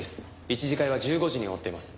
一次会は１５時に終わっています。